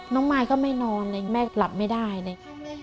มายก็ไม่นอนเลยแม่หลับไม่ได้เลย